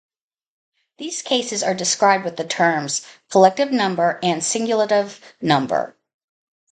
These cases are described with the terms "collective number" and "singulative number".